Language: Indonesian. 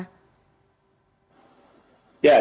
ya terima kasih